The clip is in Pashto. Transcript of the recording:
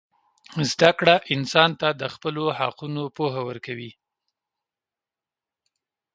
زدهکړه انسان ته د خپلو حقونو پوهه ورکوي.